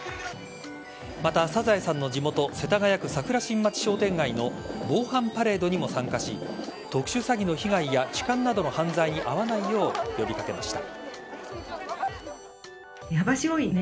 また、サザエさんの地元世田谷区桜新町商店街の防犯パレードにも参加し特殊詐欺の被害や痴漢などの犯罪に遭わないよう呼び掛けました。